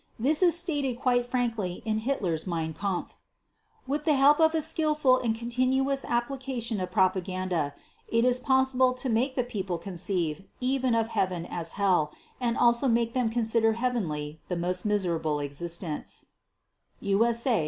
This is stated quite frankly in Hitler's Mein Kampf: "With the help of a skilful and continuous application of propaganda it is possible to make the people conceive even of heaven as hell and also make them consider heavenly the most miserly existence" (USA 276).